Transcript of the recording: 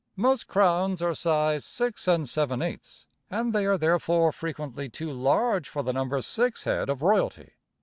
Most crowns are size six and seven eights, and they are therefore frequently too large for the number six head of royalty.